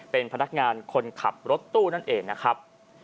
เป็นพนักงานคนขับรถตู้นั่นเองนะครับ